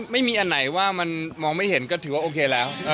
ไม่มีอะไรมองไม่เห็นก็ถือว่าโอเคแล้ว